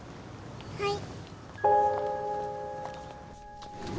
はい。